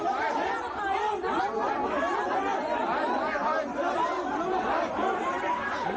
คุณสามารถรู้ได้มั้ยที่รัฐสมัยค่ะ